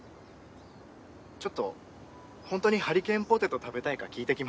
ちょっとホントにハリケーンポテト食べたいか聞いて来ます。